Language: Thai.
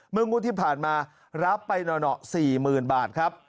งวดที่ผ่านมารับไปหน่อ๔๐๐๐บาทครับ